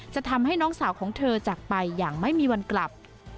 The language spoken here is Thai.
จะทำให้น้องสาวของเธอจากไปอย่างไม่มีวันกลับ